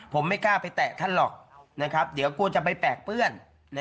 ผมไม่กล้าไปแตะท่านหรอกเดี๋ยวกลัวจะไปแปลกเปื้อน